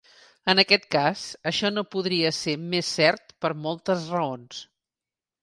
En aquest cas, això no podria ser més cert per moltes raons.